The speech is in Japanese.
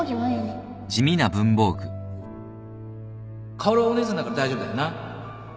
薫はお姉さんだから大丈夫だよな